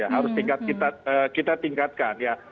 harus kita tingkatkan ya